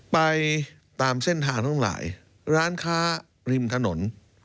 ไปตามเส้นทางทั้งหลายร้านค้าริมถนน